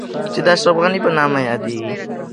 چې د اشرف غني په نامه يادېږي.